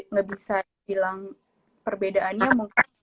nggak bisa bilang perbedaannya mungkin